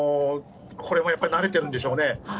これもやっぱり慣れてるんでしょうね。